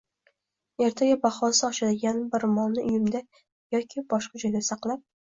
Ertaga bahosi oshadigan bir molni uyimda yeki boshqa joyda saqlab